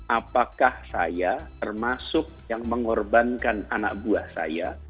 apakah saya termasuk yang mengorbankan anak buah saya